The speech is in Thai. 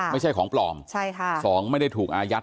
ไม่ใช่ของปลอม๒ไม่ได้ถูกอายัด